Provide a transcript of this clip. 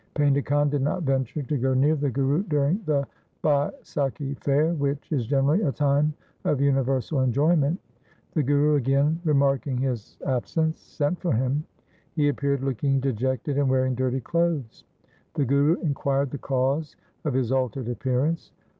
Painda Khan did not venture to go near the Guru during the Baisakhi fair, which is generally a time of universal enjoyment. The Guru again remarking his absence sent for him. He appeared looking dejected and wearing dirty clothes. The Guru inquired the cause of his altered appear ance.